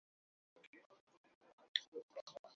তাহা হইলে তাহারা এ-বিষয়ে আরও কিছু সঙ্কেত পাইবে।